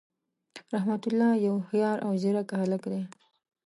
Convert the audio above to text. رحمت الله یو هوښیار او ځیرک هللک دی.